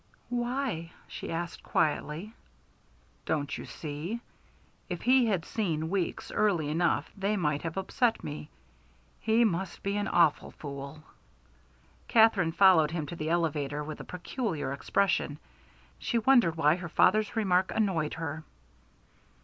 "Why?" she asked quietly. "Don't you see? If he had seen Weeks early enough they might have upset me. He must be an awful fool." Katherine followed him to the elevator with a peculiar expression. She wondered why her father's remark annoyed her.